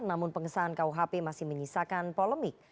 namun pengesahan kuhp masih menyisakan polemik